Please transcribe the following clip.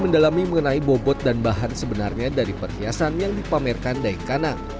mendalami mengenai bobot dan bahan sebenarnya dari perhiasan yang dipamerkan daeng kanang